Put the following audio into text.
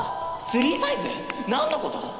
スリーサイズ⁉何のこと